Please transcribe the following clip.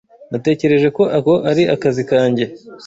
Natekereje ko ako ari akazi kanjye.